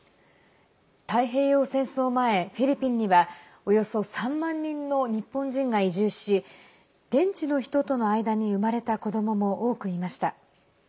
太平洋戦争前、フィリピンにはおよそ３万人の日本人が移住し現地の人との間に生まれた子どもも多くいました。